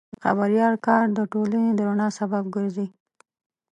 د خبریال کار د ټولنې د رڼا سبب ګرځي.